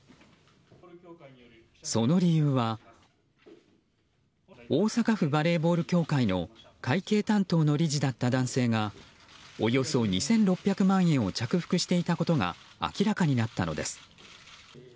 その理由は大阪府バレーボール協会の会計担当の理事だった男性がおよそ２６００万円を着服していたことが明らかになったのです。